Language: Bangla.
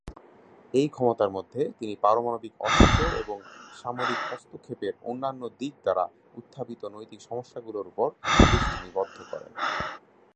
এই ক্ষমতার মধ্যে, তিনি পারমাণবিক অস্ত্র এবং সামরিক হস্তক্ষেপের অন্যান্য দিক দ্বারা উত্থাপিত নৈতিক সমস্যাগুলির উপর দৃষ্টি নিবদ্ধ করেন।